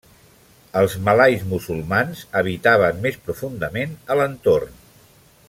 Els malais musulmans habitaven més profundament a l'entorn.